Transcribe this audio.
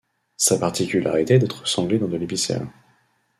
Sa particularité est d'être sanglé dans de l'épicéa.